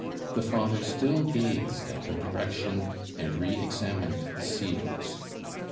The father still gazed at the direction, and re examined the seals.